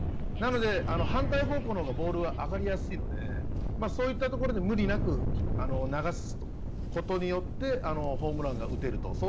なので反対方向のほうがボールは上がりやすいのでそういったところで無理なく流すことによってホームランが打てると。